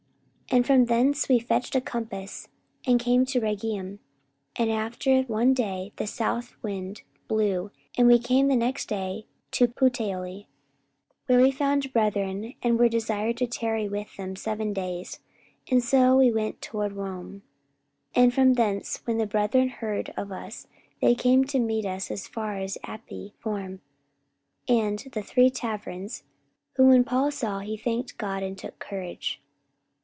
44:028:013 And from thence we fetched a compass, and came to Rhegium: and after one day the south wind blew, and we came the next day to Puteoli: 44:028:014 Where we found brethren, and were desired to tarry with them seven days: and so we went toward Rome. 44:028:015 And from thence, when the brethren heard of us, they came to meet us as far as Appii forum, and The three taverns: whom when Paul saw, he thanked God, and took courage.